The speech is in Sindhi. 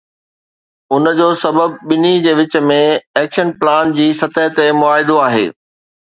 ان جو سبب ٻنهي جي وچ ۾ ايڪشن پلان جي سطح تي معاهدو آهي.